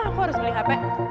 aku harus beli hp